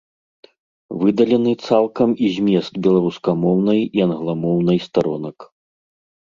Выдалены цалкам і змест беларускамоўнай і англамоўнай старонак.